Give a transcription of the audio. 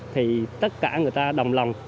thì tất cả người ta đồng lòng